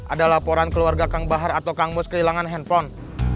ada laporan keluarga kang bahar atau kangmus kehilangan handphone